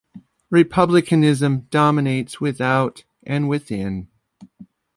Republicanism dominates without and within.